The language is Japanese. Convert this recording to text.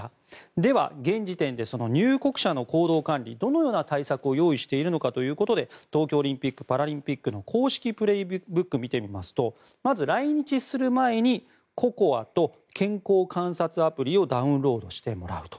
では、現時点で入国者の行動管理どのような対策を用意しているのかということで東京オリンピック・パラリンピックの「公式プレーブック」を見てみますとまず、来日する前にＣＯＣＯＡと健康観察アプリをダウンロードしてもらうと。